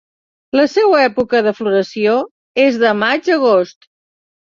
La seua època de floració és de maig a agost.